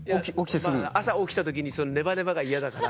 朝起きた時にネバネバが嫌だから。